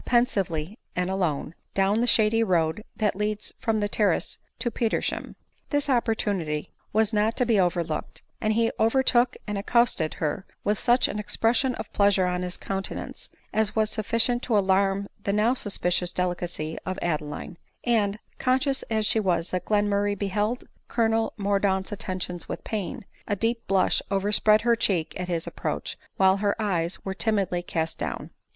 pensively and alone, down the shady road that leads from the terrace to Petersham. This opportunity was not to be overlooked ; and he overtook and accosted her with such an expression of pleasure on bis countenance, as was sufficient to alarm the now suspicious delicacy of Adeline ; and, conscious as she was that Glenmurray beheld Colonel Mordaunt's attentions with pain, a deep blush overspread her cheek at his approach, while her eyes were timidly cast down.